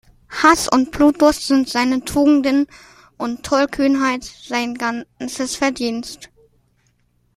Haß und Blutdurst sind seine Tugenden, und Tollkühnheit sein ganzes Verdienst.